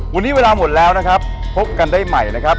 วันนี้เวลาหมดแล้วนะครับพบกันได้ใหม่นะครับ